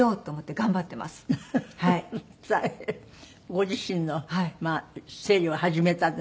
ご自身の整理を始めたんだ。